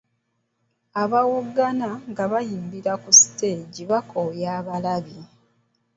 Abawoggana nga bayimbira ku siteegi bakooya abalabi.